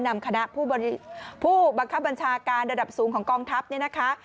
นำคณะผู้บังคับบัญชาการระดับสูงของกองทัพเนี่ยนะคะ